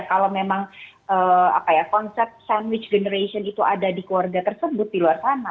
kalau memang konsep sandwich generation itu ada di keluarga tersebut di luar sana